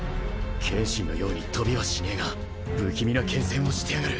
剣心のようにとびはしねえが不気味な剣閃をしてやがる！